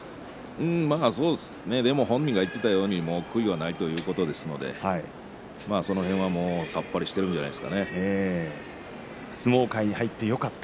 ただ本人が言っていたように悔いがないということですのでその辺は、さっぱりして相撲界に入ってよかった。